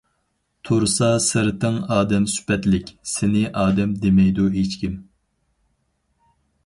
تۇرسا سىرتىڭ ئادەم سۈپەتلىك، سېنى ئادەم دېمەيدۇ ھېچكىم.